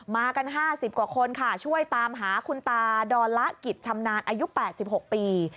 มากัน๕๐กว่าคนค่ะช่วยตามหาคุณตาดอนละกิจชำนาญอายุ๘๖ปี